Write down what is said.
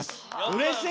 うれしい！